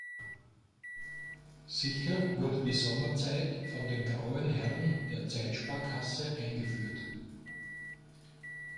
Sicher wurde die Sommerzeit von den grauen Herren der Zeitsparkasse eingeführt.